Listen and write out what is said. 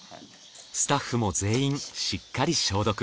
スタッフも全員しっかり消毒。